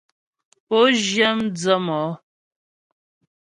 Pǒ zhyə mdzə̌ mɔ́.